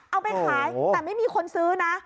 เอาไปขายแต่ไม่มีคนซื้อนะ